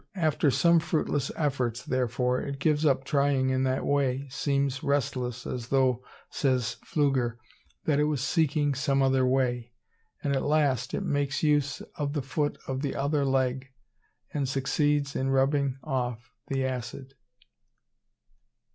"After some fruitless efforts, therefore, it gives up trying in that way, seems restless, as though, says Pflüger, it was seeking some other way, and at last it makes use of the foot of the other leg and succeeds in rubbing off the acid.